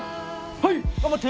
はい頑張って。